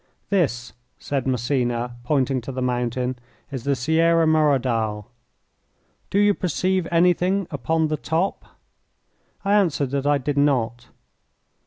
"This," said Massena, pointing to the mountain, "is the Sierra de Merodal. Do you perceive anything upon the top?" I answered that I did not.